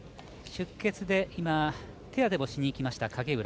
出血で今手当てをしにいきました、影浦。